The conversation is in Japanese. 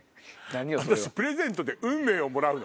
プレゼントで運命をもらうの？